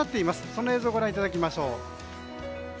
その映像をご覧いただきましょう。